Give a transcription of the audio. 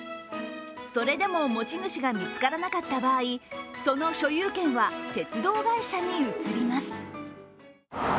それでも持ち主が見つからなかった場合、その所有権は鉄道会社に移ります。